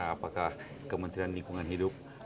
apakah kementerian lingkungan hidup